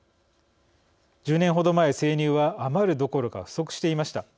１０年程前生乳は余るどころか不足していました。